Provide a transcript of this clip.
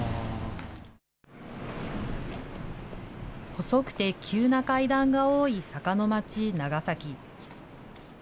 細くて急な階段が多い坂の町、長崎。